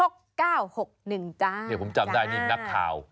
เดี๋ยวผมจำได้นี่นักข่าว